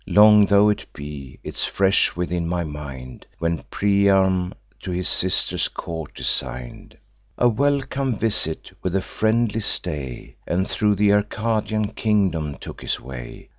Long tho' it be, 'tis fresh within my mind, When Priam to his sister's court design'd A welcome visit, with a friendly stay, And thro' th' Arcadian kingdom took his way.